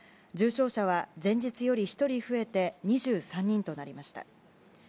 重症者は、前日より１人増えて２３人となりました。